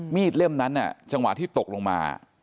มีดเริ่มนั้นเนี่ยจังหวะที่ตกลงมา